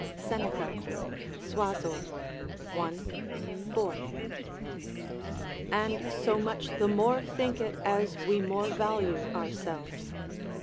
Seneca, Suasor, i. 4.] and so much the more think it as we more value ourselves.